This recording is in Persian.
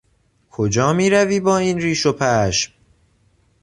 کجا میری با این ریش و پشم؟